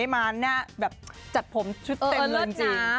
มันน่ะจัดผมชุดเต็มเลยจริง